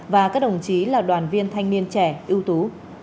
và các đồng chí là đoàn viên thanh niên trẻ ưu tú